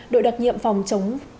đội đặc nhiệm phòng chống